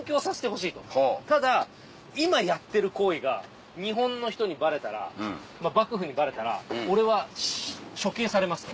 「ただ今やってる行為が日本の人にバレたら幕府にバレたら俺は処刑されます」と。